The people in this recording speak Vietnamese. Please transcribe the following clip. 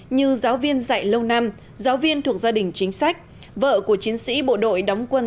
như giáo viên dạy lâu năm giáo viên thuộc gia đình chính sách vợ của chiến sĩ bộ đội đóng quân